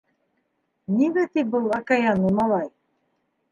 - Нимә ти был окаянный малай?